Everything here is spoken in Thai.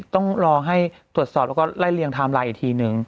ต้องรอให้ตรวจสอบแล้วก็ไล่เรียงไทม์ไลน์อีกทีนึง